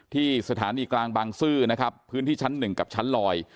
ที่สถานีกลางบางซื่อนะครับพื้นที่ชั้นหนึ่งกับชั้นลอย